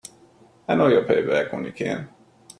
I know you'll pay it back when you can.